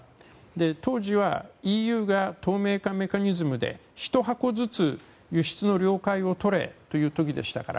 当時はＥＵが透明化メカニズムで１箱ずつ輸出の了解を取れという時でしたから